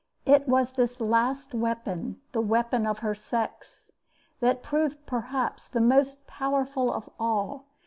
It was this last weapon, the weapon of her sex, that proved, perhaps, the most powerful of all.